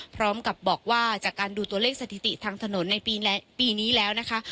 พร้อมกับบอกว่าจากการดูตัวเลขสถิติทางถนนในปีนี้แล้วนะคะ